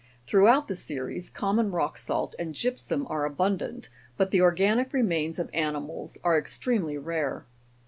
Throughout the series, common rock salt and gypsum are abundant, but the organic remains of animals are extremely rare.